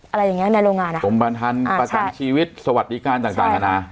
อะไรอย่างเงี้ยในโรงงานอะสมบันทรรย์ประจำชีวิตสวัสดิการสังสารธนา